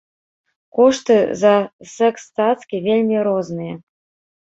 Кошты на секс-цацкі вельмі розныя.